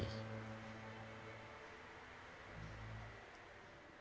dalam keluarga kita tidak ada yang punya adik yang namanya novi